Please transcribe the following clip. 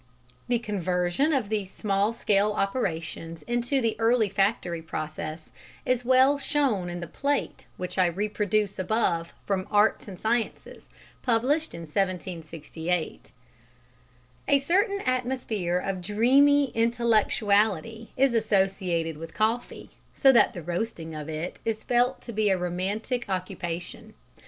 _ The conversion of these small scale operations into the early factory process is well shown in the plate which I reproduce above from Arts and Sciences, published in 1768. [Illustration: WOMEN GRINDING CHOCOLATE. From Squier "Nicaragua"] A certain atmosphere of dreamy intellectuality is associated with coffee, so that the roasting of it is felt to be a romantic occupation.